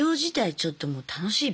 ちょっともう楽しいべ？